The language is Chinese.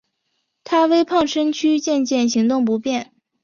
她微胖身躯渐渐行动不便